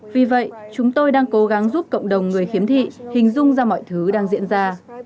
vì vậy chúng tôi đang cố gắng giúp cộng đồng người khiếm thị hình dung ra mọi thứ đang diễn ra